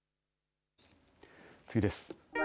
次です。